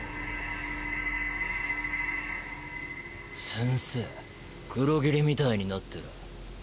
先生黒霧みたいになってら。